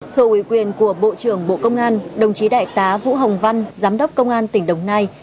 thờ ủy quyền của bộ trưởng bộ công an đồng chí đại tá vũ hồng văn giám đốc công an tỉnh đồng nai